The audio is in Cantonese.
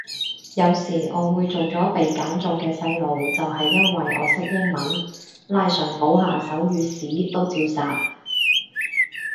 有時我會做咗被揀中嘅細路就係因為我識英文，拉上補下手語屎都照殺